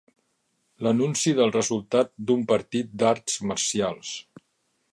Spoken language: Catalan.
L'anunci del resultat d'un partit d'arts marcials.